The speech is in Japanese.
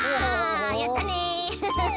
やったね！